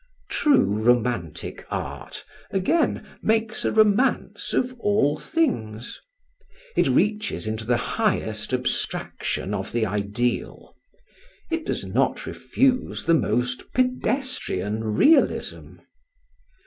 True romantic art, again, makes a romance of all things. It reaches into the highest abstraction of the ideal; it does not refuse the most pedestrian realism.